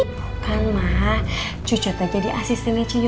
bukan mah cucu teh jadi asisten nih ciyoyo